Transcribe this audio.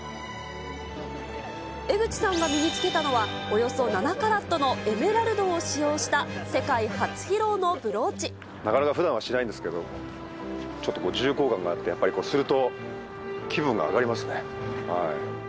江口さんが身に着けたのは、およそ７カラットのエメラルドを使用した、なかなかふだんはしないんですけれども、ちょっとこう、重厚感があって、やっぱり、すると気分が上がりますね。